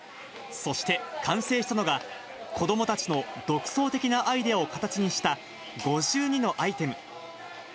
そして完成したのが、子どもたちの独創的なアイデアを形にした５２のアイテム。